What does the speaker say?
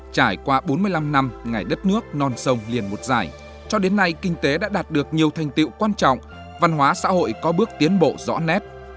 trải qua bốn mươi năm năm ngày đất nước non sông liền một dài cho đến nay kinh tế đã đạt được nhiều thành tiệu quan trọng văn hóa xã hội có bước tiến bộ rõ nét